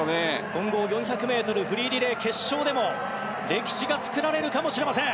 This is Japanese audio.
混合４００ｍフリーリレー決勝でも歴史が作られるかもしれません。